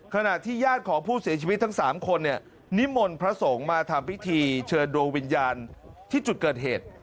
ขณะที่ญาติของผู้เสียชีวิตทั้ง๓คนเนี่ยนิมนต์พระสงฆ์มาทำพิธีเชิญดวงวิญญาณที่จุดเกิดเหตุ